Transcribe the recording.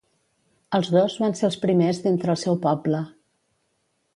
Els dos van ser els primers d'entre el seu poble.